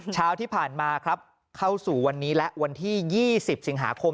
เช้าที่ผ่านมาครับเข้าสู่วันนี้และวันที่๒๐สิงหาคม